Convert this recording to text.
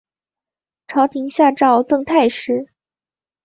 朝廷下诏赠太师。